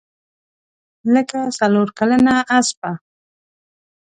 لکه څلورکلنه اسپه.